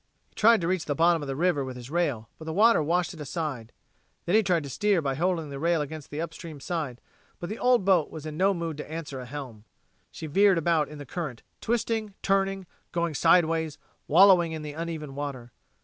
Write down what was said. He tried to reach the bottom of the river with his rail, but the water washed it aside; then he tried to steer by holding the rail against the upstream side, but the old boat was in no mood to answer a helm. She veered about in the current, twisting, turning, going sideways, wallowing in the uneven water.